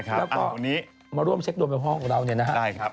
แล้วก็มาร่วมเช็คโดยมีว่าห้องของเรานะครับ